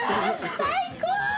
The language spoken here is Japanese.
最高！